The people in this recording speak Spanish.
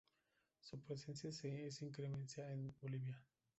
Su presencia es incierta en Bolivia.